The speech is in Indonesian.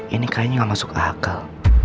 ini kayaknya nggak masuk akal